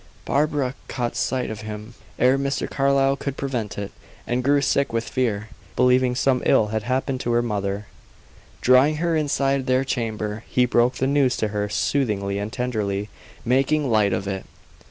Barbara caught sight of him ere Mr. Carlyle could prevent it, and grew sick with fear, believing some ill had happened to her mother. Drawing her inside their chamber, he broke the news to her soothingly and tenderly, making light of it.